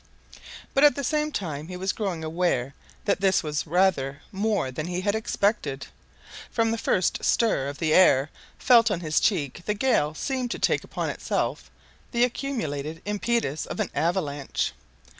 But at the same time he was growing aware that this was rather more than he had expected. From the first stir of the air felt on his cheek the gale seemed to take upon itself the accumulated impetus of an avalanche.